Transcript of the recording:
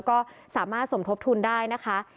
ก็สามารถสมทบทุนได้นะคะ